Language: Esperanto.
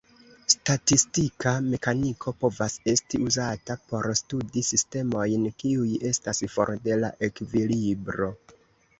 Statistika mekaniko povas esti uzata por studi sistemojn kiuj estas for de la ekvilibro.